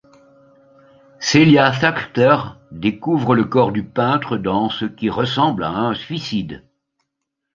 Celia Thaxter découvre le corps du peintre dans ce qui ressemble à un suicide.